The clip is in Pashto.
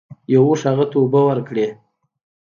یو اوښ هغه ته اوبه ورکړې.